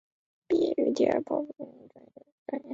毕业于第二炮兵工程学院固体发动机专业。